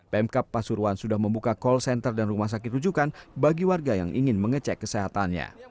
pemkap pasuruan sudah membuka call center dan rumah sakit rujukan bagi warga yang ingin mengecek kesehatannya